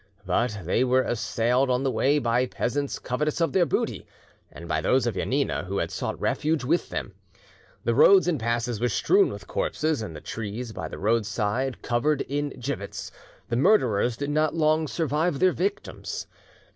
But they were assailed on the way by peasants covetous of their booty, and by those of Janina who had sought refuge with them. The roads and passes were strewn with corpses, and the trees by the roadside converted into gibbets. The murderers did not long survive their victims.